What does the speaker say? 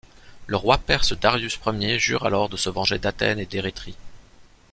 Le roi perse Darius Ier jure alors de se venger d'Athènes et d'Érétrie.